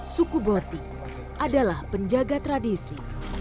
suku boti adalah penjaga tradisi